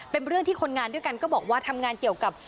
เป็นเรื่องที่คนงานด้วยกันก็บอกว่าทำงานเกี่ยวกับ